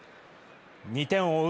２点を追う